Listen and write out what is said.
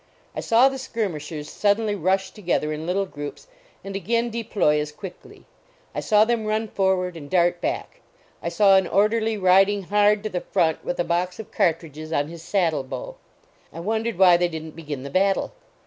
I saw the skirmishers suddenly rush together in little groups and again deploy as quickly. I saw them run forward and dart back. I saw an orderly riding hard to the front with a box of cartridges on his saddle bow. I wondered why they didn t begin the battle.